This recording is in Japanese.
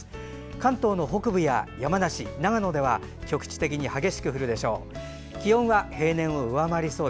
関東北部や山梨、長野では局地的に激しく降るでしょう。